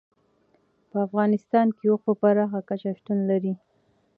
په افغانستان کې اوښ په پراخه کچه شتون لري.